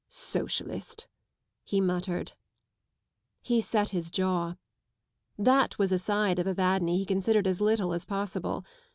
"... Socialist! " he muttered. He set his jaw. That was a side of Evadne he considered as little as possible.